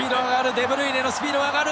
デブルイネのスピードが上がる！